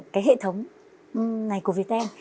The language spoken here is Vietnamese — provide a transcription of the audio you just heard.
cái hệ thống này của viettel